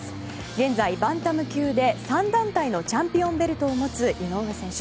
現在、バンタム級で３団体のチャンピオンベルトを持つ井上選手。